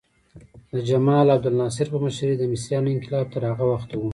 د جل عبدالناصر په مشرۍ د مصریانو انقلاب تر هغه وخته و.